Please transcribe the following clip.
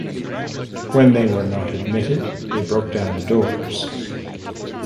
When they were not admitted they broke down the doors.